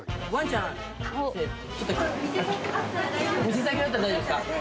店先だったら大丈夫ですか？